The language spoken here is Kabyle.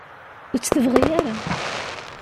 Ur tt-tebɣi ara.